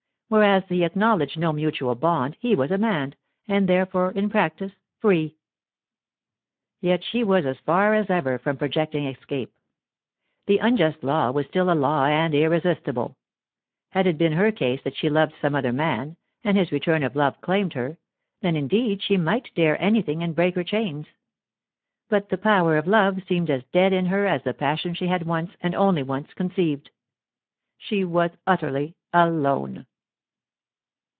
Whereas he acknowledged no mutual bond; he was a man, and therefore in practice free. Yet she was as far as ever from projecting escape. The unjust law was still a law, and irresistible. Had it been her case that she loved some other man, and his return of love claimed her, then indeed she might dare anything and break her chains. But the power of love seemed as dead in her as the passion she had once, and only once, conceived. She was utterly alone.